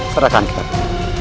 serahkan kita dulu